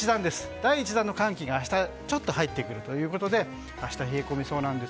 第１弾の寒気がちょっと入ってくるということで明日、冷え込みそうです。